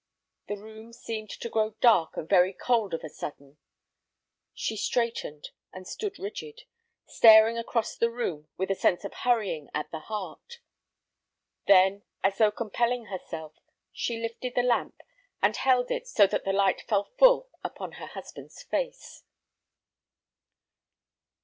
The room seemed to grow dark and very cold of a sudden. She straightened, and stood rigid, staring across the room with a sense of hurrying at the heart. Then, as though compelling herself, she lifted the lamp, and held it so that the light fell full upon her husband's face.